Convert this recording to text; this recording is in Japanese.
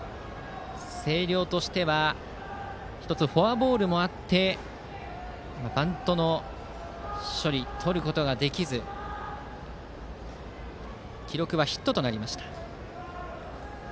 星稜としては１つ、フォアボールもあってバントの処理でとることができず記録はヒットとなりました。